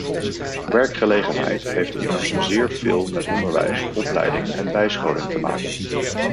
Werkgelegenheid heeft immers zeer veel met onderwijs, opleiding en bijscholing te maken.